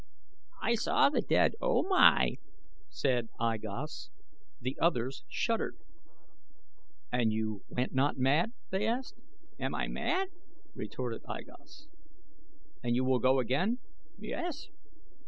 "I saw the dead O Mai," said I Gos. The others shuddered. "And you went not mad?" they asked. "Am I mad?" retorted I Gos. "And you will go again?" "Yes."